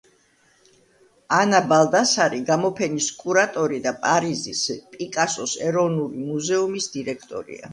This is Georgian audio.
ანა ბალდასარი გამოფენის კურატორი და პარიზის პიკასოს ეროვნული მუზეუმის დირექტორია.